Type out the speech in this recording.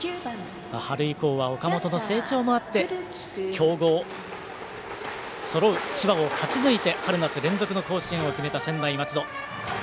春以降は、岡本の成長もあって強豪そろう千葉を勝ち抜いて春夏連続の甲子園を決めた専大松戸。